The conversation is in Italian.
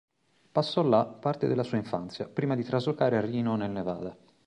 Passò là parte della sua infanzia, prima di traslocare a Reno nel Nevada.